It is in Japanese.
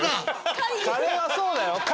カレーはそうだよ。